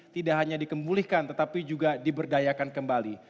tidak hanya dikembulihkan tetapi juga diberdayakan kembali